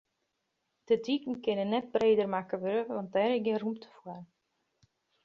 De diken kinne net breder makke wurde, want dêr is gjin rûmte foar.